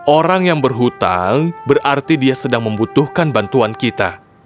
orang yang berhutang berarti dia sedang membutuhkan bantuan kita